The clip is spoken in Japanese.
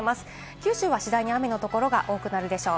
九州は次第に雨の所が多くなるでしょう。